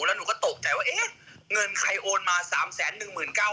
แล้วหนูก็ตกใจว่าเอ๊ะ